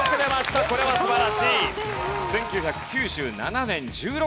これは素晴らしい！